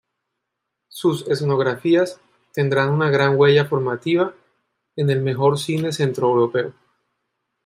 Sus escenografías tendrán una gran huella formativa en el mejor cine centroeuropeo.